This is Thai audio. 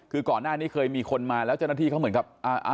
คือก่อนหน้านี้เคยมีคนมาแล้วเจ้าหน้าที่เขาเหมือนกับ